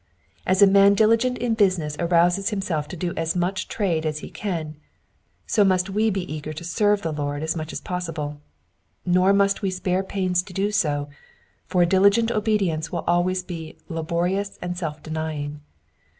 As a man diligent in business arouses himself to do as much trade as he can, so must we be eager to serve the Lord as much as possible. Kor must we spare pains to do so, for a diligent obedience will also be laborious and self denying.